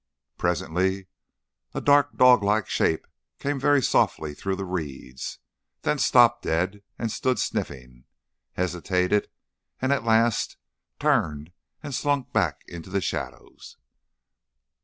Presently a dark dog like shape came very softly through the reeds. Then stopped dead and stood sniffing, hesitated, and at last turned and slunk back into the shadows.